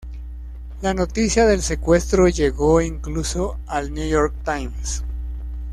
La noticia del secuestro llegó incluso al "New York Times".